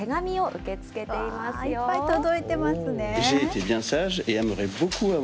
うわー、いっぱい届いてますね。